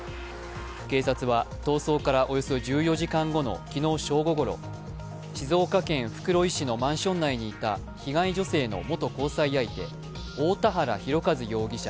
警察は逃走からおよそ１４時間後の昨日正午ごろ静岡県袋井市のマンション内にいた被害女性の元交際相手太田原広和容疑者